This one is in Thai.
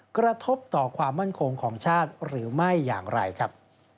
กระทบต่อความมั่นคงของชาติหรือไม่อย่างไรครับ